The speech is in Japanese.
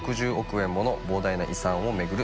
澆發膨大な遺産を巡る